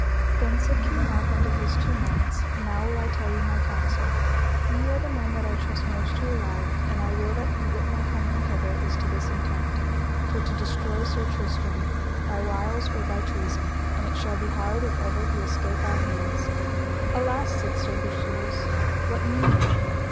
Then said King Mark unto his two knights: Now will I tell you my counsel: ye are the men that I trust most to alive, and I will that ye wit my coming hither is to this intent, for to destroy Sir Tristram by wiles or by treason; and it shall be hard if ever he escape our hands. Alas, said Sir Bersules, what mean you?